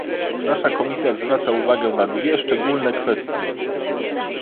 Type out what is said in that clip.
Nasza komisja zwraca uwagę na dwie szczególne kwestie